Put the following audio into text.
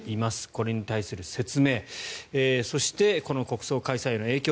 これに対する説明そして国葬開催での影響。